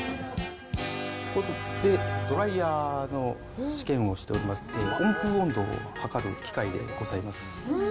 ここでドライヤーの試験をしておりまして、温風温度を測る機械でございます。